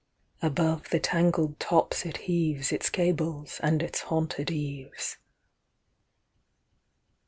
Above the tangled tops it heaves Its gables and its haunted eaves.